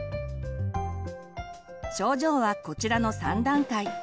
症状はこちらの３段階。